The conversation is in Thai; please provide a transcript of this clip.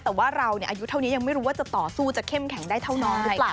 แต่ว่าเราอายุเท่านี้ยังไม่รู้ว่าจะต่อสู้จะเข้มแข็งได้เท่าน้องหรือเปล่า